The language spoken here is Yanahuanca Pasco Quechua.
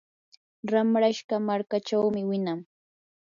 ramrashqa markaachawmi winan.